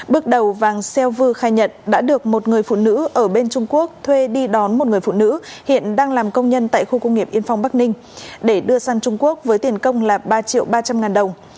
bước đầu vàng xeo vư khai nhận đã được một người phụ nữ ở bên trung quốc thuê đi đón một người phụ nữ hiện đang làm công nhân tại khu công nghiệp yên phong bắc ninh để đưa sang trung quốc với tiền công là ba triệu ba trăm linh ngàn đồng